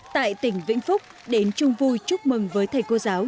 tại tỉnh vĩnh phúc đến chung vui chúc mừng với thầy cô giáo